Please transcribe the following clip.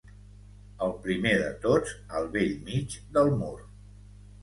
El primer de tots, al bell mig del mur.